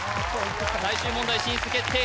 最終問題進出決定